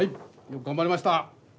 よく頑張りました。